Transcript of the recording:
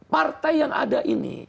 partai yang ada ini